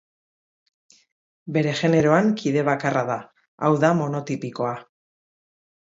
Bere generoan kide bakarra da, hau da monotipikoa.